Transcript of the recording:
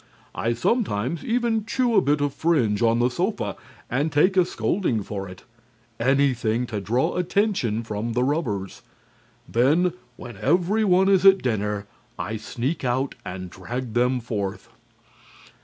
I sometimes even chew a bit of fringe on the sofa and take a scolding for it anything to draw attention from the rubbers. Then, when everyone is at dinner, I sneak out and drag them forth."